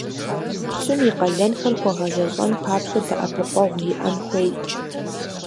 Пщым и къалэнхэр хуэгъэзэщӀэн папщӀэ дэӀэпыкъуэгъу иӀэн хуейт.